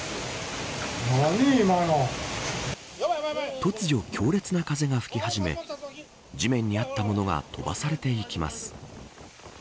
突如、強烈な風が吹き始め地面にあったものが飛ばされていきます。